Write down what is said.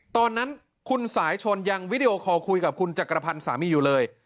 ตอนนั้นคุณสายชนยังวิดีโอคอลคุยกับคุณจักรพันธ์สามีอยู่เลย